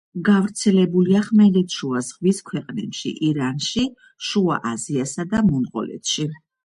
გავრცელებულია ხმელთაშუა ზღვის ქვეყნებში, ირანში, შუა აზიასა და მონღოლეთში.